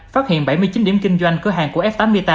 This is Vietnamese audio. phát hiện bảy mươi chín điểm kinh doanh cửa hàng của f tám mươi tám